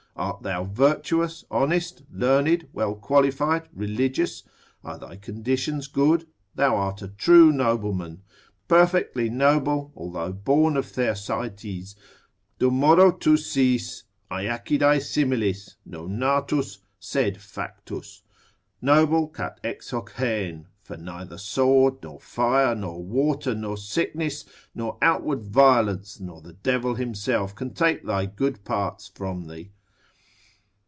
Art thou virtuous, honest, learned, well qualified, religious, are thy conditions good?—thou art a true nobleman, perfectly noble, although born of Thersites—dum modo tu sis—Aeacidae similis, non natus, sed factus, noble κατ' ἐξοχήν, for neither sword, nor fire, nor water, nor sickness, nor outward violence, nor the devil himself can take thy good parts from thee.